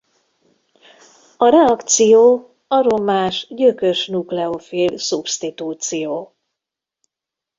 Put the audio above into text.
A reakció aromás gyökös-nukleofil szubsztitúció.